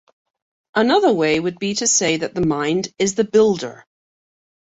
Another way would be to say that the mind is the builder.